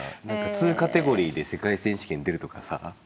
２カテゴリーで世界選手権出るとかさ。